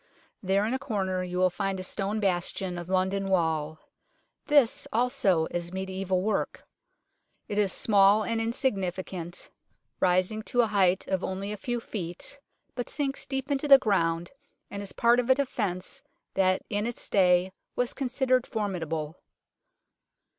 There in a corner you will find a stone bastion of London Wall. This also is mediaeval work. It is small and insignificant, rising to a height of only a few REMAINS OF THE CITY WALL 33 feet, but sinks deep into the ground, and is part of a defence that in its day was considered formidable.